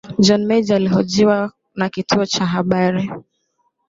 john major alihojiwa na kituo cha habari